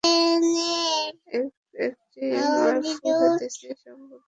একটি মারফু হাদীসে এ সম্পর্কে বর্ণিত আছে তবে এটার সূত্রে কিছু রয়েছে।